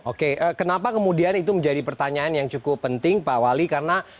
oke kenapa kemudian itu menjadi pertanyaan yang cukup penting pak wali karena